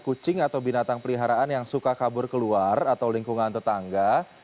kucing atau binatang peliharaan yang suka kabur keluar atau lingkungan tetangga